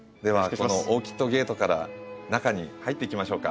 この「オーキッド・ゲート」から中に入っていきましょうか。